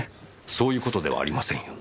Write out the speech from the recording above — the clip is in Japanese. そういう事ではありませんよ。